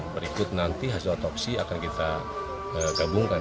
berikut nanti hasil otopsi akan kita gabungkan